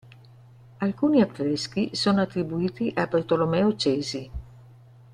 Alcuni affreschi sono attribuiti a Bartolomeo Cesi.